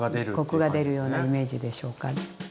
コクが出るようなイメージでしょうか。